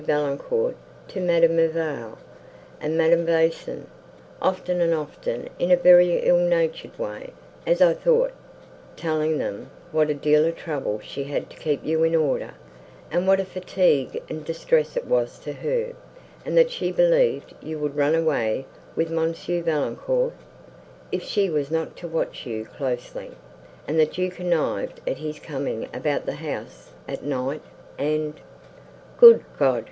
Valancourt to Madame Merveille and Madame Vaison, often and often, in a very ill natured way, as I thought, telling them what a deal of trouble she had to keep you in order, and what a fatigue and distress it was to her, and that she believed you would run away with Mons. Valancourt, if she was not to watch you closely; and that you connived at his coming about the house at night, and—" "Good God!"